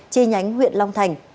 chi nhánh huyện long thành